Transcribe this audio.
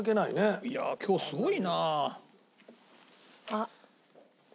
いやあ今日すごいな！